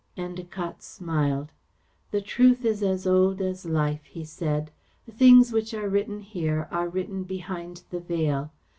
Endacott smiled. "The truth is as old as life," he said. "The things which are written here are written behind the veil.